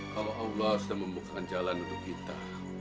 kalau allah sudah membuka jalan untuk kita